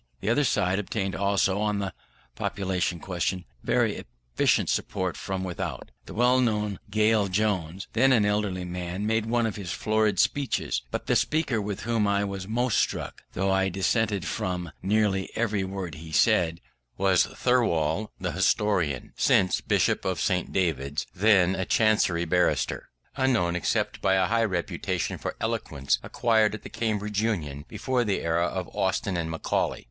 The other side obtained also, on the population question, very efficient support from without. The well known Gale Jones, then an elderly man, made one of his florid speeches; but the speaker with whom I was most struck, though I dissented from nearly every word he said, was Thirlwall, the historian, since Bishop of St. David's, then a Chancery barrister, unknown except by a high reputation for eloquence acquired at the Cambridge Union before the era of Austin and Macaulay.